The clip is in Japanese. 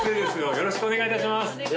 よろしくお願いします